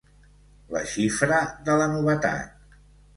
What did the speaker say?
La xifra de la novetat.